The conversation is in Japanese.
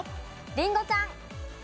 りんごちゃん。